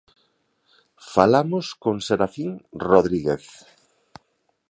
Falamos con Serafín Rodríguez.